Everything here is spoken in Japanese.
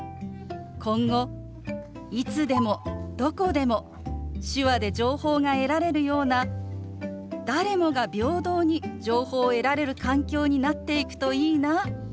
今後いつでもどこでも手話で情報が得られるような誰もが平等に情報を得られる環境になっていくといいなと思います。